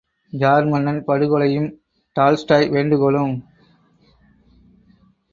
Jar மன்னன் படுகொலையும் Tolstoy வேண்டுகோளும்!